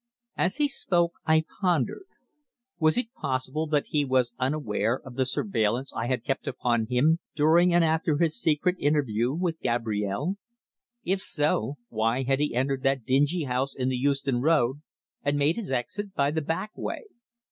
As he spoke I pondered. Was it possible that he was unaware of the surveillance I had kept upon him during and after his secret interview with Gabrielle? If so, why had he entered that dingy house in the Euston Road and made his exit by the back way?